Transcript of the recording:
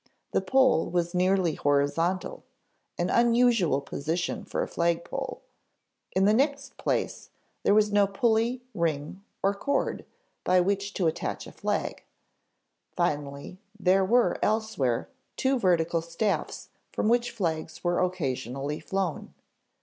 The pole was nearly horizontal, an unusual position for a flagpole; in the next place, there was no pulley, ring, or cord by which to attach a flag; finally, there were elsewhere two vertical staffs from which flags were occasionally flown.